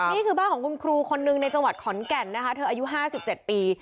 นี่คือบ้านของคุณครูคนหนึ่งในจังหวัดขอนแก่นนะคะเธออายุ๕๗ปี